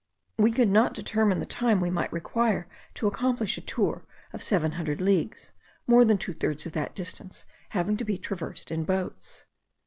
We could not determine the time we might require to accomplish a tour of seven hundred leagues, more than two thirds of that distance having to be traversed in boats.